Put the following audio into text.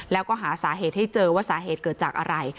แล้วก็หาสาเหตุให้เจอว่าสาเหตุเกิดจากอะไร